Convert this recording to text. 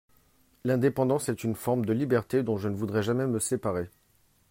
L'indépendance est une forme de liberté dont je ne voudrais jamais me séparer.